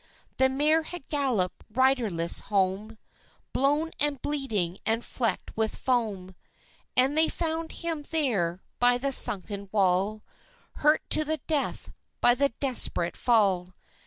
The mare had galloped riderless home, Blown and bleeding and flecked with foam, And they found him there by the sunken wall, Hurt to the death by the desperate fall.